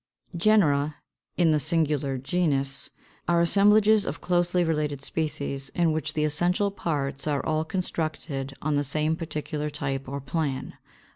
528. =Genera= (in the singular, Genus) are assemblages of closely related species, in which the essential parts are all constructed on the same particular type or plan.